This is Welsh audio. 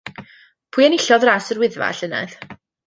Pwy enillodd Ras yr Wyddfa y llynedd?